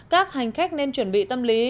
các hành khách nên chuẩn bị tâm lý